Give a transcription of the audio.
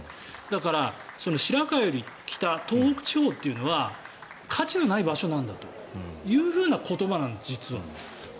だから、白河より北東北地方というのは価値のない場所なんだという言葉なんです。